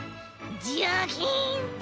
ジャキン！